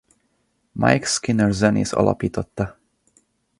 Mike Skinner zenész alapította.